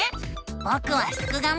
ぼくはすくがミ！